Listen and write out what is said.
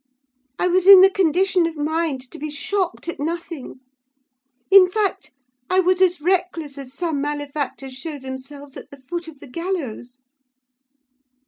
I was in the condition of mind to be shocked at nothing: in fact, I was as reckless as some malefactors show themselves at the foot of the gallows.